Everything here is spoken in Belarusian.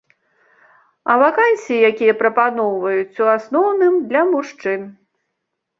А вакансіі, якія прапаноўваюць, у асноўным для мужчын.